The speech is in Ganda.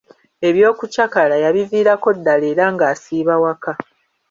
Eby'okucakala yabiviirako ddala era ng'asiiba waka.